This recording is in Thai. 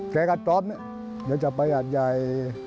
แช่กระต๊อฟนี้